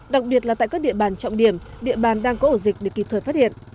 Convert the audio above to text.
đặc biệt là tại các địa bàn trọng điểm địa bàn đang có ổ dịch để kịp thời phát hiện